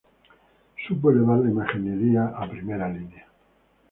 Supo elevar la imaginería a primera línea.